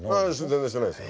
全然してないですよ。